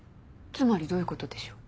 つまりどういうことでしょう。